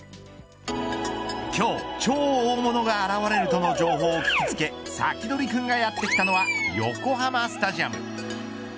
今日、超大物が現れるとの情報を聞きつけサキドリくんがやってきたのは横浜スタジアム。